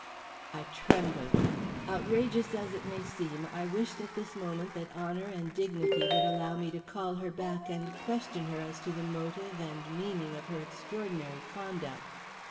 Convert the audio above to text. I trembled. Outrageous as it may seem, I wished at this moment that honor and dignity would allow me to call her back and question her as to the motive and meaning of her extraordinary conduct.